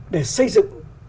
để xây dựng